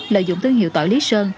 lợi dụng tương hiệu tỏi lý sơn